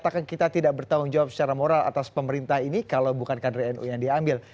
apakah kita tidak bertanggung jawab secara moral atas pemerintah ini kalau bukan kader nu yang diambil